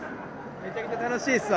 めちゃめちゃ楽しいっすわ。